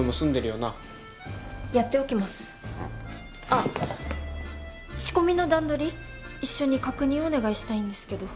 あっ仕込みの段取り一緒に確認をお願いしたいんですけど。